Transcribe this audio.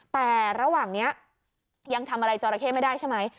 แต่ระหว่างนี้ยังทำอะไรจอราเข้ไม่ได้ใช่ไหม